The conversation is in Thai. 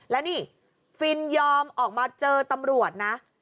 แล้วนี่ฟินยอมออกมาเจอตำรวจนะ